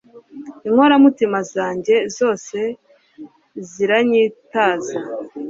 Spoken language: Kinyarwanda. inkoramutima zanjye zose ziranyitaza